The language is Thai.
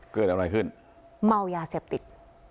เกิดอะไรขึ้นเมายาเสพติด